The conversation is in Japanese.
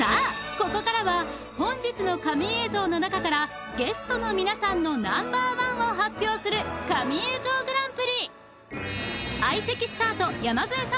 ここからは本日の神映像の中からゲストの皆さんのナンバーワンを発表する神映像グランプリ